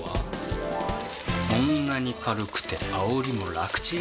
こんなに軽くてあおりも楽ちん！